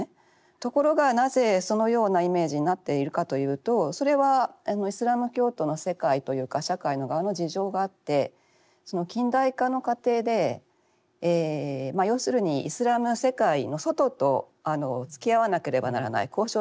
ところがなぜそのようなイメージになっているかというとそれはイスラム教徒の世界というか社会の側の事情があってその近代化の過程でまあ要するにイスラムの世界の外とつきあわなければならない交渉しなければならない。